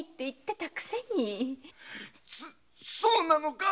そうなのか？